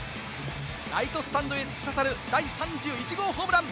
ライトスタンドへ突き刺さる第３１号ホームラン。